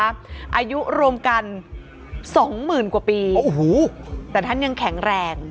อายุรวมกัน๒๐๐๐๐กว่าปีแต่ท่านยังแข็งแรง